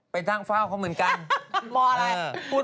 ไปทางเฝ้าเค้าเหมือนกัน